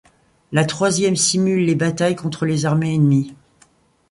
Le troisième simule les batailles contre les armées ennemies.